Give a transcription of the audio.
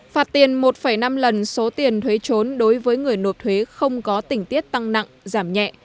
phạt tiền một năm lần số tiền thuế trốn đối với người nộp thuế không có tỉnh tiết tăng nặng giảm nhẹ